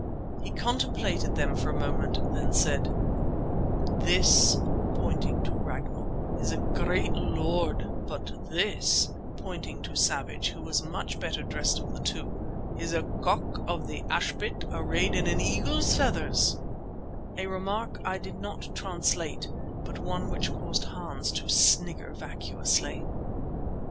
He contemplated them for a moment, then said: "This," pointing to Ragnall, "is a great lord, but this," pointing to Savage, who was much the better dressed of the two, "is a cock of the ashpit arrayed in an eagle's feathers," a remark I did not translate, but one which caused Hans to snigger vacuously.